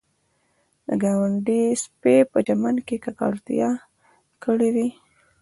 د ګاونډي سپي په چمن کې ککړتیا کړې وي